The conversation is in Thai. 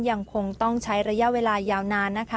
ยังคงต้องใช้ระยะเวลายาวนานนะคะ